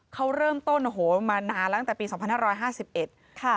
เขาเริ่มต้นโอ้โหมานานแล้วตั้งแต่ปี๒๕๕๑ค่ะ